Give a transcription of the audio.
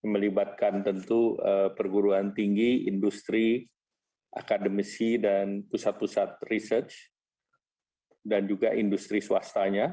melibatkan tentu perguruan tinggi industri akademisi dan pusat pusat research dan juga industri swastanya